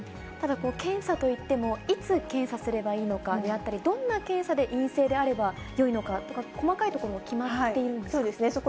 ただ、検査といっても、いつ検査すればいいのかであったり、どんな検査で陰性であればよいのかとか、細かいところ、決まってそうですね。